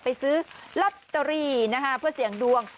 ไปซื้อลอตเตอรี่นะคะเพื่อเสี่ยงดวง